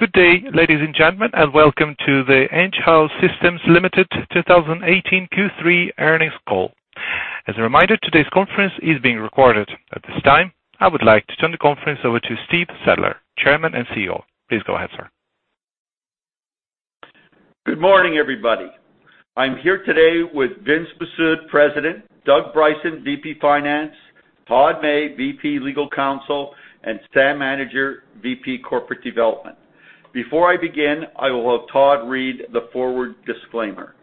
Good day, ladies and gentlemen, and welcome to the Enghouse Systems Limited 2018 Q3 earnings call. As a reminder, today's conference is being recorded. At this time, I would like to turn the conference over to Steve Sadler, Chairman and CEO. Please go ahead, sir. Good morning, everybody. I'm here today with Vince Mifsud, President, Doug Bryson, VP Finance, Todd May, VP Legal Counsel, and Sam Anidjar, VP Corporate Development. Before I begin, I will have Todd read the forward disclaimer.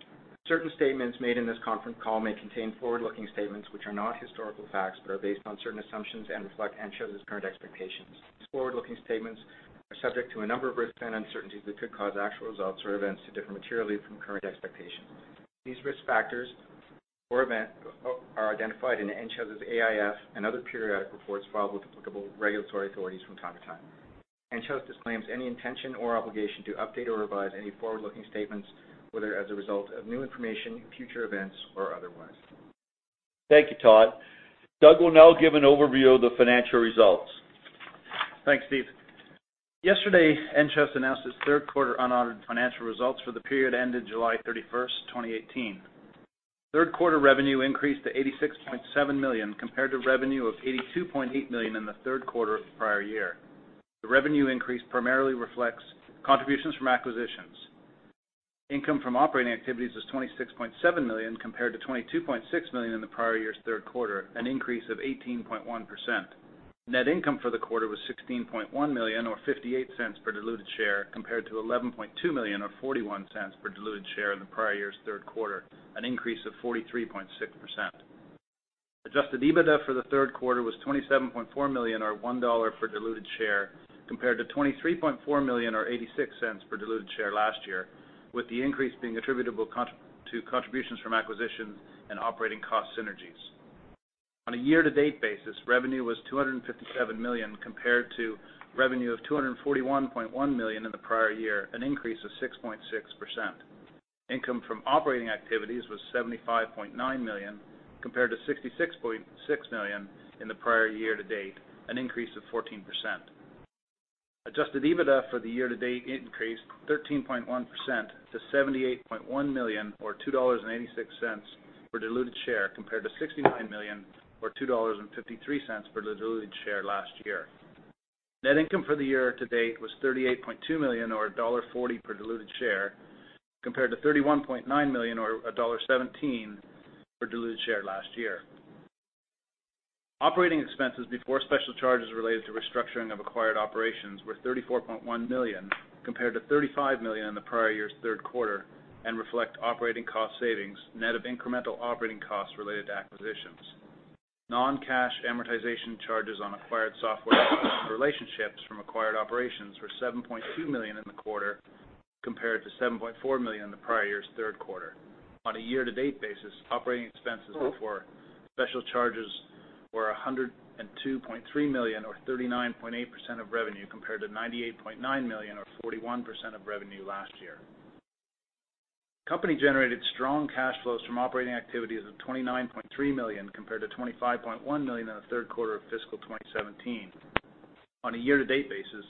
Certain statements made in this conference call may contain forward-looking statements, which are not historical facts, but are based on certain assumptions and reflect Enghouse's current expectations. These forward-looking statements are subject to a number of risks and uncertainties that could cause actual results or events to differ materially from current expectations. These risk factors or event are identified in Enghouse's AIF and other periodic reports filed with applicable regulatory authorities from time to time. Enghouse disclaims any intention or obligation to update or revise any forward-looking statements, whether as a result of new information, future events, or otherwise. Thank you, Todd. Doug will now give an overview of the financial results. Thanks, Steve. Yesterday, Enghouse announced its third quarter unaudited financial results for the period ended July 31st, 2018. Third quarter revenue increased to 86.7 million compared to revenue of 82.8 million in the third quarter of the prior year. The revenue increase primarily reflects contributions from acquisitions. Income from operating activities was 26.7 million, compared to 22.6 million in the prior year's third quarter, an increase of 18.1%. Net income for the quarter was 16.1 million, or 0.58 per diluted share, compared to 11.2 million or 0.41 per diluted share in the prior year's third quarter, an increase of 43.6%. Adjusted EBITDA for the third quarter was 27.4 million, or 1.00 dollar per diluted share, compared to 23.4 million, or 0.86 per diluted share last year, with the increase being attributable to contributions from acquisitions and operating cost synergies. On a year-to-date basis, revenue was 257 million compared to revenue of 241.1 million in the prior year, an increase of 6.6%. Income from operating activities was 75.9 million, compared to 66.6 million in the prior year to date, an increase of 14%. Adjusted EBITDA for the year to date increased 13.1% to 78.1 million, or 2.86 dollars per diluted share, compared to 69 million or 2.53 dollars per diluted share last year. Net income for the year to date was 38.2 million, or dollar 1.40 per diluted share, compared to 31.9 million or dollar 1.17 per diluted share last year. Operating expenses before special charges related to restructuring of acquired operations were 34.1 million, compared to 35 million in the prior year's third quarter and reflect operating cost savings net of incremental operating costs related to acquisitions. Non-cash amortization charges on acquired software relationships from acquired operations were 7.2 million in the quarter, compared to 7.4 million in the prior year's third quarter. On a year-to-date basis, operating expenses before special charges were 102.3 million, or 39.8% of revenue, compared to 98.9 million, or 41% of revenue last year. Company generated strong cash flows from operating activities of 29.3 million, compared to 25.1 million in the third quarter of fiscal 2017. On a year-to-date basis,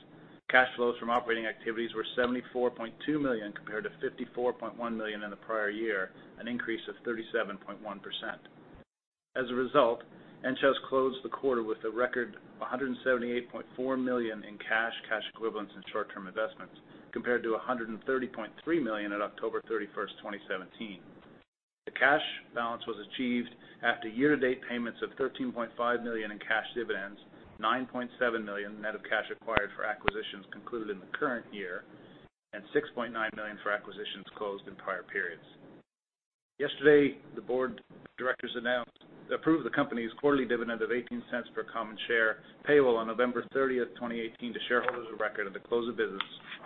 cash flows from operating activities were 74.2 million compared to 54.1 million in the prior year, an increase of 37.1%. As a result, Enghouse closed the quarter with a record of 178.4 million in cash equivalents and short-term investments, compared to 130.3 million on October 31st, 2017. The cash balance was achieved after year-to-date payments of 13.5 million in cash dividends, 9.7 million net of cash acquired for acquisitions concluded in the current year, and 6.9 million for acquisitions closed in prior periods. Yesterday, the board of directors approved the company's quarterly dividend of 0.18 per common share, payable on November 30th, 2018 to shareholders of record at the close of business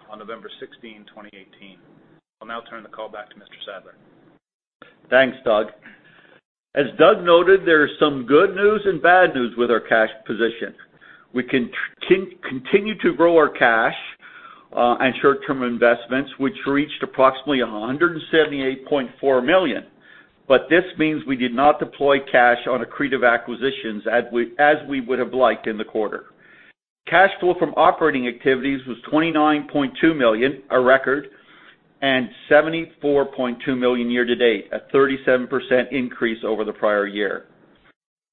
on November 16, 2018. I'll now turn the call back to Mr. Sadler. Thanks, Doug. As Doug noted, there is some good news and bad news with our cash position. We continue to grow our cash and short-term investments, which reached approximately 178.4 million. This means we did not deploy cash on accretive acquisitions as we would have liked in the quarter. Cash flow from operating activities was 29.3 million, a record, and 74.2 million year to date, a 37% increase over the prior year.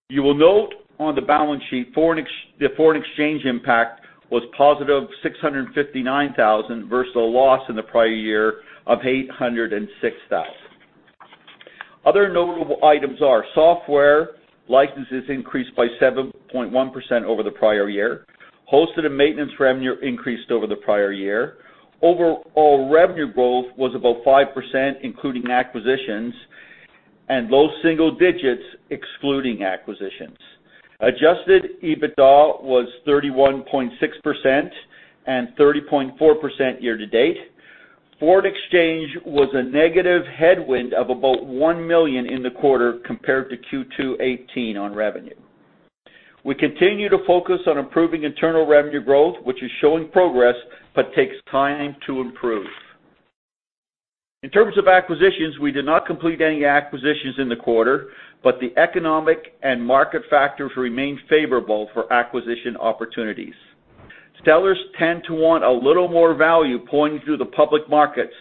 You will note on the balance sheet, the foreign exchange impact was positive 659,000 versus a loss in the prior year of 806,000. Other notable items are software licenses increased by 7.1% over the prior year. Hosted and maintenance revenue increased over the prior year. Overall revenue growth was about 5%, including acquisitions, and low single digits excluding acquisitions. Adjusted EBITDA was 31.6% and 30.4% year to date. Foreign exchange was a negative headwind of about 1 million in the quarter compared to Q2 2018 on revenue. We continue to focus on improving internal revenue growth, which is showing progress but takes time to improve. In terms of acquisitions, we did not complete any acquisitions in the quarter. The economic and market factors remain favorable for acquisition opportunities. Sellers tend to want a little more value pointing to the public markets.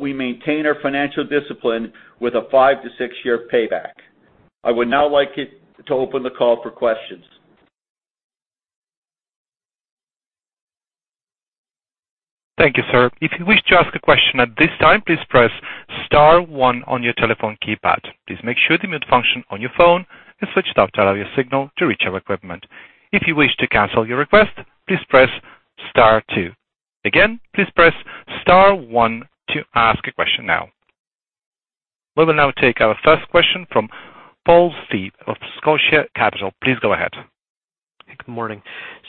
We maintain our financial discipline with a five-to-six-year payback. I would now like to open the call for questions. Thank you, sir. If you wish to ask a question at this time, please press *1 on your telephone keypad. Please make sure the mute function on your phone is switched off to allow your signal to reach our equipment. If you wish to cancel your request, please press *2. Again, please press *1 to ask a question now. We will now take our first question from Paul Steep of Scotia Capital. Please go ahead. Good morning.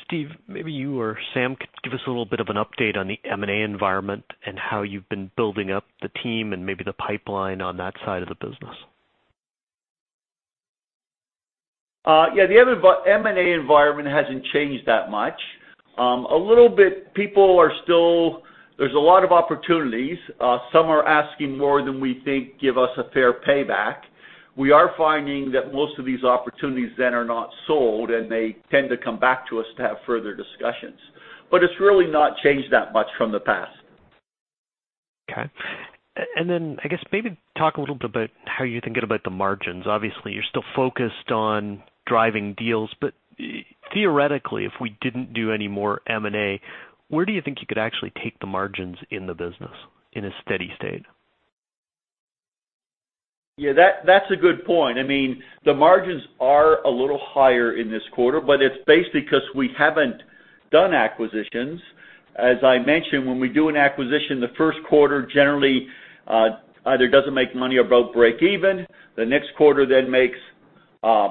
Steve, maybe you or Sam could give us a little bit of an update on the M&A environment and how you've been building up the team and maybe the pipeline on that side of the business. The M&A environment hasn't changed that much. A little bit, there's a lot of opportunities. Some are asking more than we think give us a fair payback. We are finding that most of these opportunities then are not sold, and they tend to come back to us to have further discussions. It's really not changed that much from the past. Okay. Then, I guess maybe talk a little bit about how you're thinking about the margins. Obviously, you're still focused on driving deals, but theoretically, if we didn't do any more M&A, where do you think you could actually take the margins in the business in a steady state? Yeah, that's a good point. The margins are a little higher in this quarter, but it's basically because we haven't done acquisitions. As I mentioned, when we do an acquisition, the first quarter generally either doesn't make money or about break even. The next quarter then makes a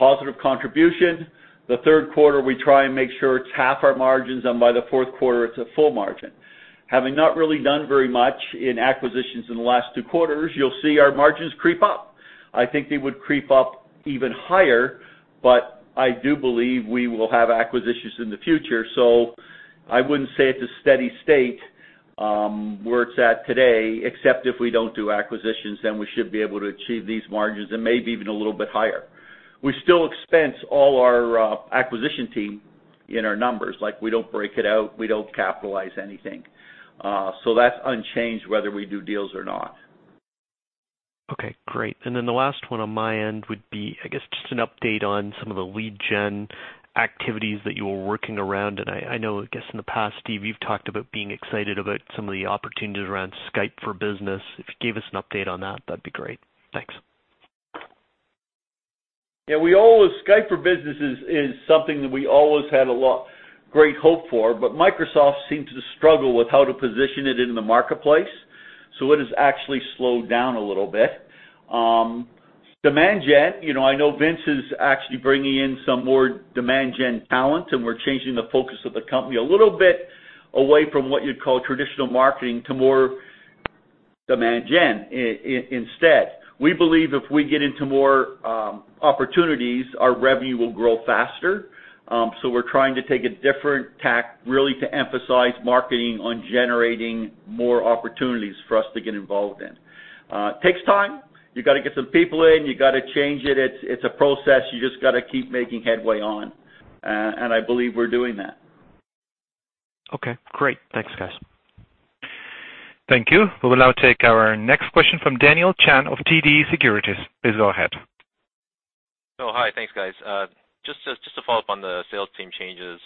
positive contribution. The third quarter, we try and make sure it's half our margins, and by the fourth quarter, it's a full margin. Having not really done very much in acquisitions in the last two quarters, you'll see our margins creep up. I think they would creep up even higher, but I do believe we will have acquisitions in the future. I wouldn't say it's a steady state where it's at today, except if we don't do acquisitions, then we should be able to achieve these margins and maybe even a little bit higher. We still expense all our acquisition team in our numbers. We don't break it out. We don't capitalize anything. That's unchanged whether we do deals or not. Okay, great. Then the last one on my end would be, I guess, just an update on some of the lead-gen activities that you were working around. I know, I guess in the past, Steve, you've talked about being excited about some of the opportunities around Skype for Business. If you gave us an update on that'd be great. Thanks. Yeah. Skype for Business is something that we always had a lot great hope for, Microsoft seemed to struggle with how to position it in the marketplace. It has actually slowed down a little bit. Demand-gen, I know Vince is actually bringing in some more demand-gen talent, we're changing the focus of the company a little bit away from what you'd call traditional marketing to more demand-gen instead. We believe if we get into more opportunities, our revenue will grow faster. We're trying to take a different tack, really to emphasize marketing on generating more opportunities for us to get involved in. Takes time. You got to get some people in. You got to change it. It's a process you just got to keep making headway on, I believe we're doing that. Okay, great. Thanks, guys. Thank you. We will now take our next question from Daniel Chan of TD Securities. Please go ahead. Oh, hi. Thanks, guys. Just to follow up on the sales team changes,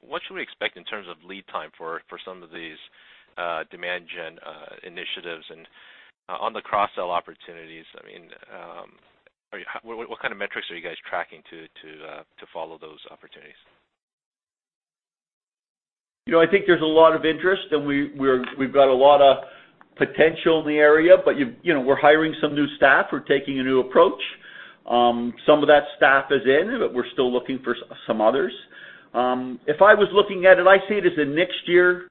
what should we expect in terms of lead time for some of these demand gen initiatives? On the cross-sell opportunities, what kind of metrics are you guys tracking to follow those opportunities? I think there's a lot of interest, and we've got a lot of potential in the area, but we're hiring some new staff. We're taking a new approach. Some of that staff is in, but we're still looking for some others. If I was looking at it, I see it as a next year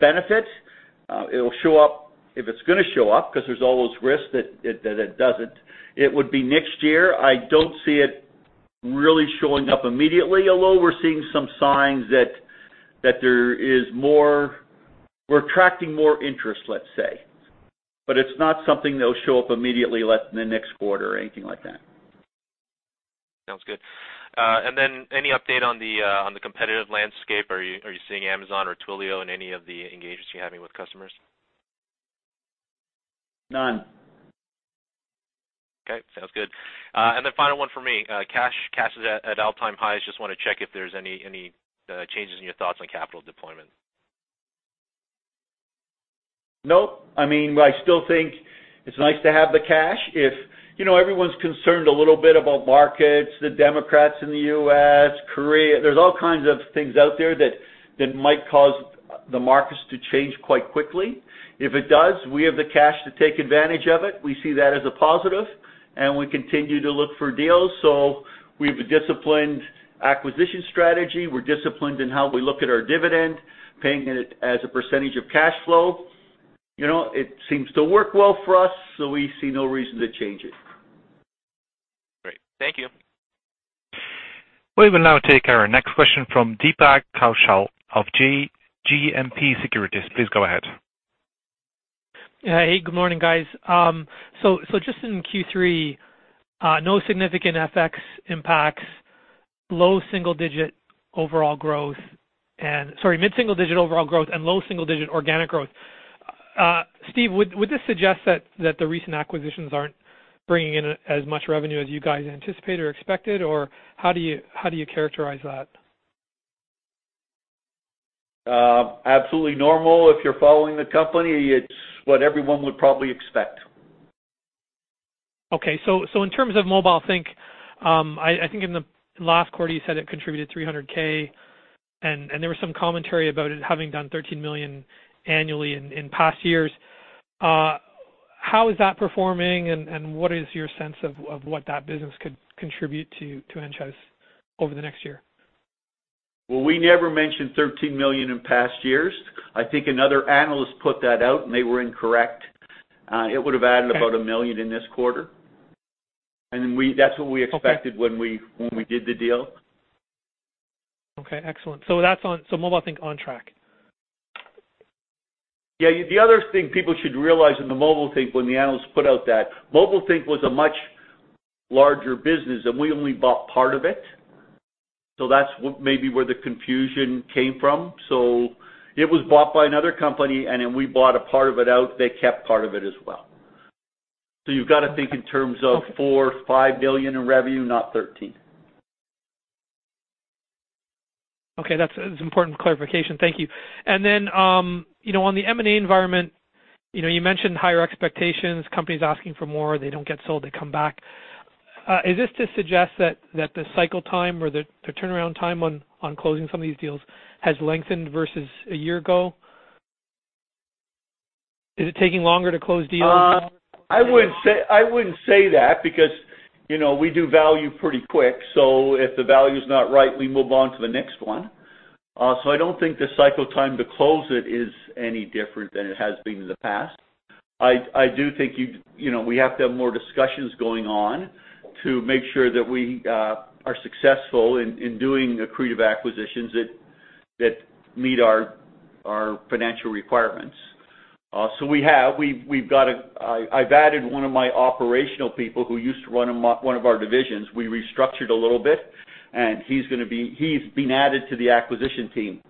benefit. It'll show up if it's going to show up because there's always risks that it doesn't. It would be next year. I don't see it really showing up immediately, although we're seeing some signs that we're attracting more interest, let's say. It's not something that will show up immediately in the next quarter or anything like that. Sounds good. Any update on the competitive landscape? Are you seeing Amazon or Twilio in any of the engagements you're having with customers? None. Okay, sounds good. Final one for me. Cash is at all-time highs. Just want to check if there's any changes in your thoughts on capital deployment. No. I still think it's nice to have the cash if everyone's concerned a little bit about markets, the Democrats in the U.S., Korea. There's all kinds of things out there that might cause the markets to change quite quickly. If it does, we have the cash to take advantage of it. We see that as a positive, and we continue to look for deals. We have a disciplined acquisition strategy. We're disciplined in how we look at our dividend, paying it as a percentage of cash flow. It seems to work well for us. We see no reason to change it. Thank you. We will now take our next question from Deepak Kaushal of GMP Securities. Please go ahead. Hey, good morning, guys. Just in Q3, no significant FX impacts, mid-single-digit overall growth, and low single-digit organic growth. Steve, would this suggest that the recent acquisitions aren't bringing in as much revenue as you guys anticipated or expected, or how do you characterize that? Absolutely normal. If you're following the company, it's what everyone would probably expect. Okay. So in terms of Mobilethink, I think in the last quarter you said it contributed 300K, and there was some commentary about it having done 13 million annually in past years. How is that performing, and what is your sense of what that business could contribute to Enghouse over the next year? We never mentioned 13 million in past years. I think another analyst put that out, and they were incorrect. It would've added about 1 million in this quarter. And that's what we expected when we did the deal. Excellent. So Mobilethink on track. Yeah. The other thing people should realize in the Mobilethink, when the analysts put out that Mobilethink was a much larger business, and we only bought part of it. So that's maybe where the confusion came from. It was bought by another company, and then we bought a part of it out, they kept part of it as well. So you've got to think in terms of 4 million, 5 million in revenue, not 13 million. That's an important clarification. Thank you. On the M&A environment, you mentioned higher expectations, companies asking for more, they don't get sold, they come back. Is this to suggest that the cycle time or the turnaround time on closing some of these deals has lengthened versus a year ago? Is it taking longer to close deals? I wouldn't say that because we do value pretty quick. If the value's not right, we move on to the next one. I don't think the cycle time to close it is any different than it has been in the past. I do think we have to have more discussions going on to make sure that we are successful in doing accretive acquisitions that meet our financial requirements. I've added one of my operational people who used to run one of our divisions. We restructured a little bit, and he's been added to the acquisition team,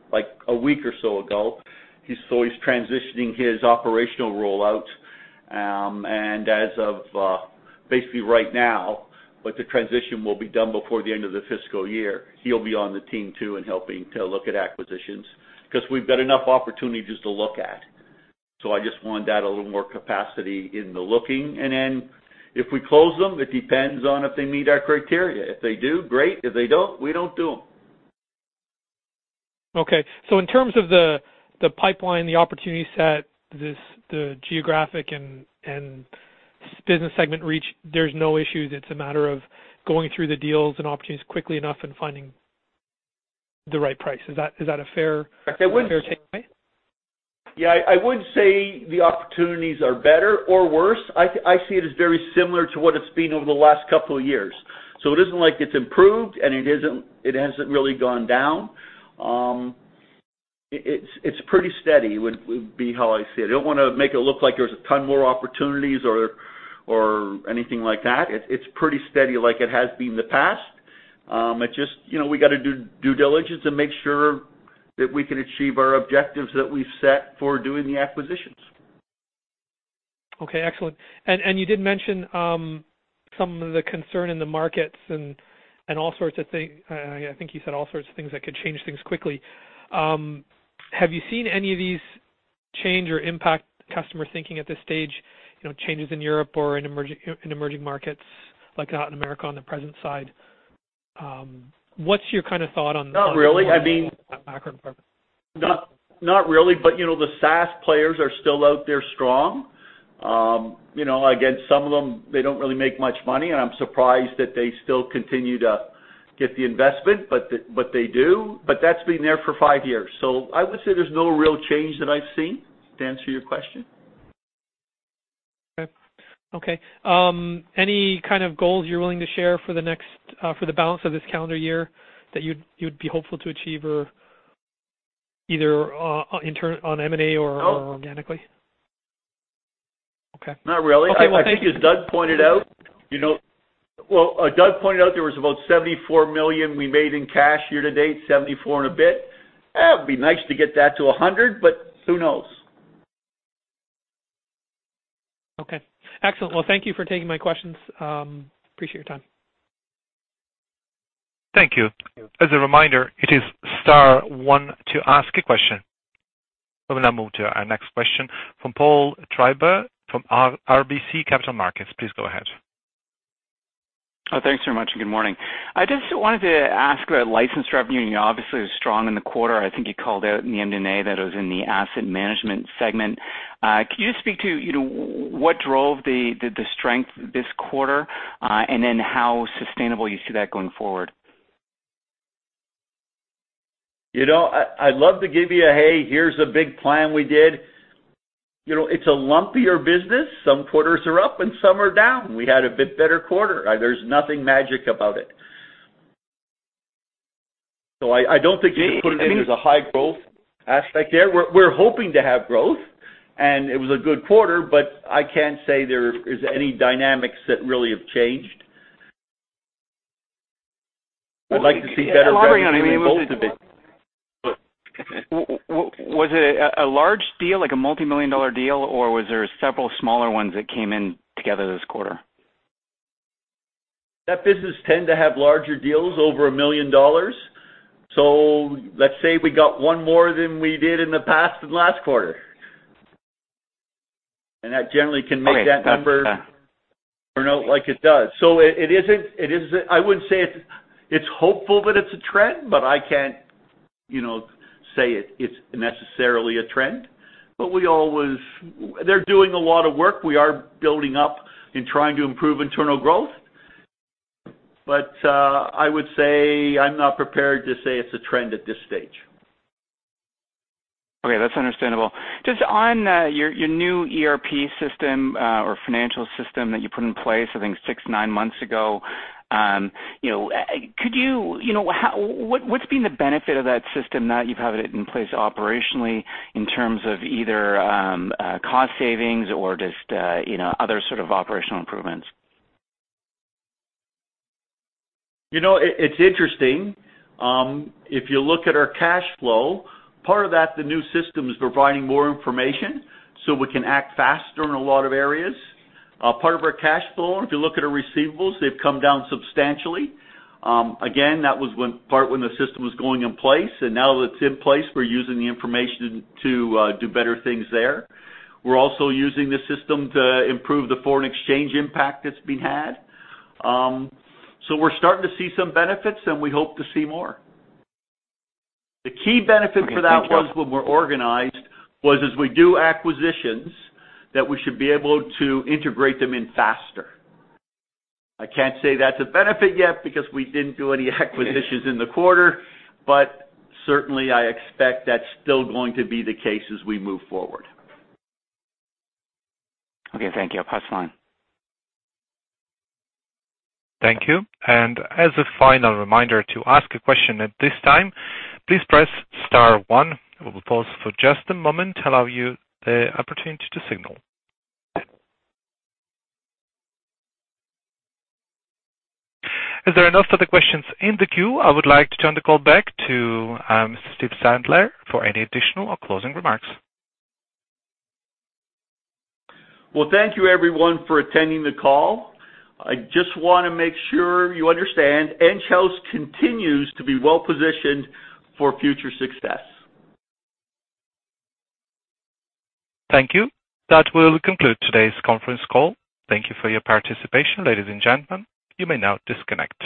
a week or so ago. He's transitioning his operational role out, and as of basically right now, but the transition will be done before the end of the fiscal year. He'll be on the team too, and helping to look at acquisitions, because we've got enough opportunities to look at. I just want to add a little more capacity in the looking, and then if we close them, it depends on if they meet our criteria. If they do, great. If they don't, we don't do them. In terms of the pipeline, the opportunity set, the geographic and business segment reach, there's no issues. It's a matter of going through the deals and opportunities quickly enough and finding the right price. Is that a fair- I wouldn't. -takeaway? Yeah, I wouldn't say the opportunities are better or worse. I see it as very similar to what it's been over the last couple of years. It isn't like it's improved, and it hasn't really gone down. It's pretty steady, would be how I see it. I don't want to make it look like there's a ton more opportunities or anything like that. It's pretty steady like it has been in the past. We got to do due diligence and make sure that we can achieve our objectives that we've set for doing the acquisitions. Okay, excellent. You did mention some of the concern in the markets and all sorts of things. I think you said all sorts of things that could change things quickly. Have you seen any of these change or impact customer thinking at this stage, changes in Europe or in emerging markets like Latin America on the presence side? What's your kind of thought on. Not really. I mean. -that macro environment? Not really, but the SaaS players are still out there strong. Again, some of them, they don't really make much money, and I'm surprised that they still continue to get the investment, but they do, but that's been there for five years. I would say there's no real change that I've seen, to answer your question. Okay. Any kind of goals you're willing to share for the balance of this calendar year that you'd be hopeful to achieve, either on M&A or organically? Okay. Not really. Okay. I think as Doug pointed out, there was about 74 million we made in cash year to date, 74 and a bit. It'd be nice to get that to 100. Who knows? Okay. Excellent. Thank you for taking my questions. Appreciate your time. Thank you. As a reminder, it is star one to ask a question. We'll now move to our next question from Paul Treiber from RBC Capital Markets. Please go ahead. Thanks very much, and good morning. I just wanted to ask about license revenue, and you obviously it was strong in the quarter. I think you called out in the MD&A that it was in the asset management segment. Can you just speak to what drove the strength this quarter, and then how sustainable you see that going forward? I'd love to give you a, "Hey, here's a big plan we did." It's a lumpier business. Some quarters are up and some are down. We had a bit better quarter. There's nothing magic about it. I don't think you could put it in as a high growth aspect there. We're hoping to have growth, and it was a good quarter, but I can't say there is any dynamics that really have changed. I'd like to see better benefits in both of it. Was it a large deal, like a multimillion-dollar deal, or was there several smaller ones that came in together this quarter? That business tend to have larger deals over 1 million dollars. Let's say we got one more than we did in the past, than last quarter. That generally can make that number turn out like it does. I wouldn't say it's hopeful that it's a trend, but I can't say it's necessarily a trend. They're doing a lot of work. We are building up and trying to improve internal growth. I would say, I'm not prepared to say it's a trend at this stage. Okay, that's understandable. Just on your new ERP system, or financial system that you put in place, I think six, nine months ago, what's been the benefit of that system now that you've had it in place operationally in terms of either cost savings or just other sort of operational improvements? It's interesting. If you look at our cash flow, part of that, the new system is providing more information so we can act faster in a lot of areas. Part of our cash flow, if you look at our receivables, they've come down substantially. Again, that was part when the system was going in place, and now that it's in place, we're using the information to do better things there. We're also using the system to improve the foreign exchange impact that's been had. We're starting to see some benefits, and we hope to see more. The key benefit for that was when we're organized, was as we do acquisitions, that we should be able to integrate them in faster. I can't say that's a benefit yet because we didn't do any acquisitions in the quarter, but certainly I expect that's still going to be the case as we move forward. Okay, thank you. Pass the line. Thank you. As a final reminder, to ask a question at this time, please press *1. We will pause for just a moment to allow you the opportunity to signal. As there are no further questions in the queue, I would like to turn the call back to Mr. Steve Sadler for any additional or closing remarks. Well, thank you everyone for attending the call. I just want to make sure you understand Enghouse continues to be well-positioned for future success. Thank you. That will conclude today's conference call. Thank you for your participation, ladies and gentlemen. You may now disconnect.